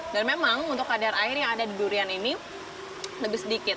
dan memang untuk kadar air yang ada di durian ini lebih sedikit